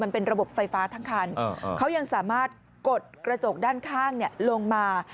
มันเป็นระบบไฟฟ้าทั้งคันเขายังสามารถกดกระจกด้านข้างลงมา